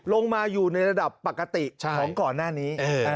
ลงมาอยู่ในระดับปกติของก่อนหน้านี้